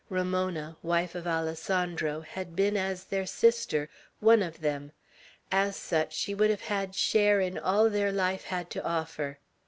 Ramona, wife of Alessandro, had been as their sister, one of them; as such, she would have had share in all their life had to offer.